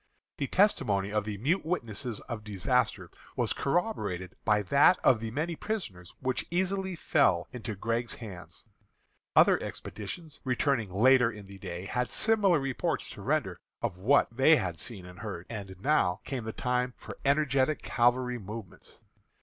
The testimony of the mute witnesses of disaster was corroborated by that of the many prisoners which easily fell into Gregg's hands. Other expeditions, returning later in the day, had similar reports to render of what they had seen and heard. And now came the time for energetic cavalry movements.